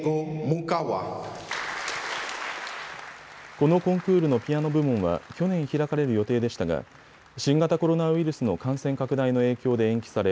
このコンクールのピアノ部門は去年開かれる予定でしたが新型コロナウイルスの感染拡大の影響で延期され